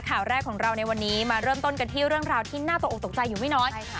ข่าวแรกของเราในวันนี้มาเริ่มต้นกันที่เรื่องราวที่น่าตกออกตกใจอยู่ไม่น้อย